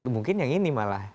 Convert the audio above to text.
mungkin yang ini malah